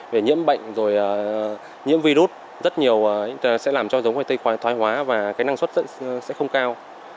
về nhiễm bệnh nhiễm virus rất nhiều sẽ làm cho giống khoai tây thoái hóa và năng suất sẽ không cao